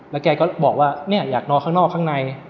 แกก็บอกว่าเนี่ยอยากนอนข้างนอกข้างใน